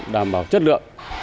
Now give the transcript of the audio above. đảm bảo chất lượng